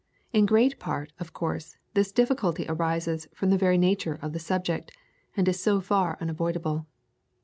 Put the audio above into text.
In great part, of course, this difficulty arises from the very nature of the subject, and is so far unavoidable.